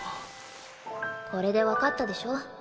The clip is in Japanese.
これでわかったでしょ。